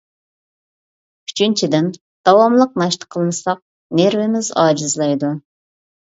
ئۈچىنچىدىن: داۋاملىق ناشتا قىلمىساق نېرۋىمىز ئاجىزلايدۇ.